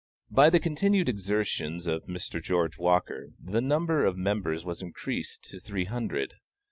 By the continued exertions of Mr. George Walker, the number of members was increased to three hundred.